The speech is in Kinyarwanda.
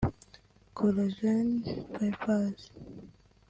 Collagen fibers